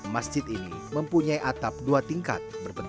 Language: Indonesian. masjid ini mempunyai atap dua tingkat berpengalam